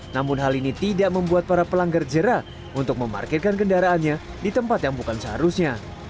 namun hal ini tidak membuat para pelanggar jerah untuk memarkirkan kendaraannya di tempat yang bukan seharusnya